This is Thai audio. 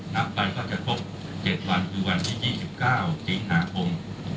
นับไปก็จะครบ๗วันคือวันที่๒๙สิงหาคม